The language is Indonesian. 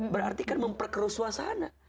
berarti kan memperkeruswa sana